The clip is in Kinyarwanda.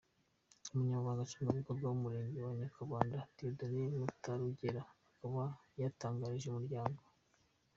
Umunyamabanga Nshingwabikorwa w’Umurenge wa Nyakabanda, Dieudonne Mutarugera, akaba yatangarije Umuryango.